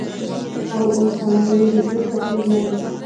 او اوسنی یې د تېر په څېر ندی